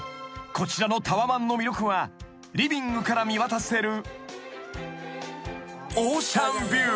こちらのタワマンの魅力はリビングから見渡せる］